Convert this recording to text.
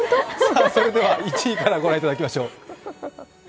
それでは１位から御覧いただきましょう。